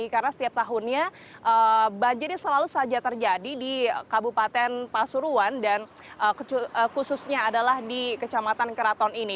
karena setiap tahunnya banjirnya selalu saja terjadi di kabupaten pasuruan dan khususnya adalah di kecematan keraton ini